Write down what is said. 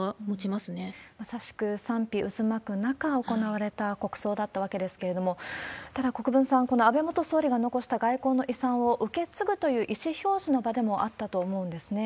まさしく賛否渦巻く中、行われた国葬だったわけですけれども、ただ、国分さん、この安倍元総理が残した外交の遺産を受け継ぐという意思表示の場でもあったと思うんですね。